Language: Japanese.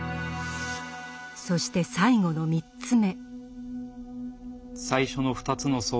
そして最後の３つ目。